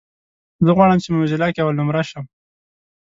زه غواړم چې په موزيلا کې اولنومره شم.